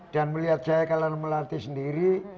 melihat saya kalau melatih sendiri